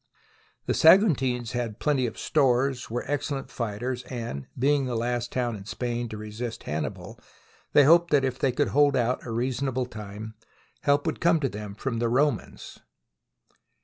The Saguntines had plenty of stores, were ex cellent fighters and, being the last town in Spain to resist Hannibal, they hoped that if they could hold out a reasonable time help would come to them from the Romans.